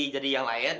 jadi yang lain